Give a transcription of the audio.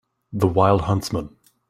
The wild huntsman